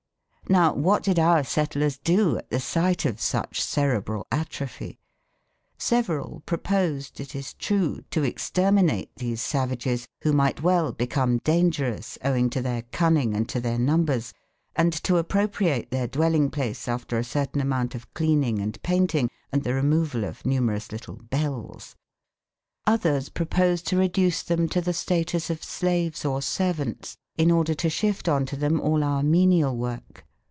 Now, what did our settlers do at the sight of such cerebral atrophy? Several proposed, it is true, to exterminate these savages who might well become dangerous owing to their cunning and to their numbers, and to appropriate their dwelling place after a certain amount of cleaning and painting and the removal of numerous little bells. Others proposed to reduce them to the status of slaves or servants in order to shift on to them all our menial work.